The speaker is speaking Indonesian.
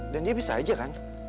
dan dia bisa aja kan